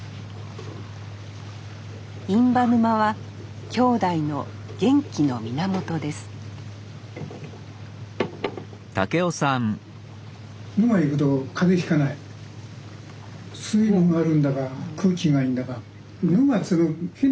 印旛沼は兄弟の元気の源ですまあ